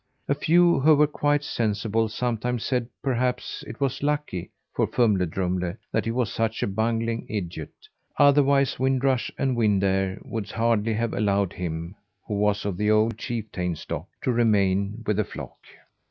A few, who were quite sensible, sometimes said perhaps it was lucky for Fumle Drumle that he was such a bungling idiot, otherwise Wind Rush and Wind Air would hardly have allowed him who was of the old chieftain stock to remain with the flock.